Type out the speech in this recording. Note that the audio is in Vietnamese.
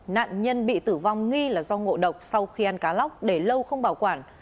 nạn nhân bị tử vong nghi là do ngộ độc sau khi ăn cá lóc để lâu không bảo quản